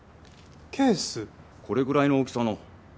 これぐらいの大きさの。